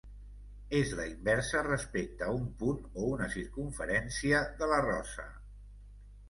És la inversa respecte a un punt o una circumferència de la rosa.